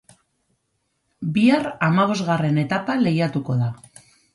Bihar hamabosgarren etapa lehiatuko da.